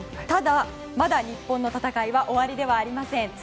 ただ、まだ日本の戦いは終わりではありません。